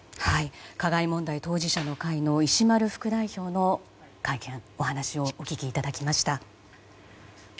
加害問題当事者の会の石丸副代表のお話をお聞きいただきました。